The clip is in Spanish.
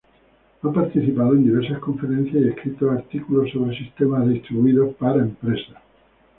Ha participado en diversas conferencias y escrito artículos sobre sistemas distribuidos para empresas.